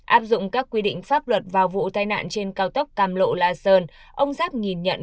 áp dụng các quy định pháp luật vào vụ tai nạn trên cao tốc cam lộ la sơn ông giáp nhìn nhận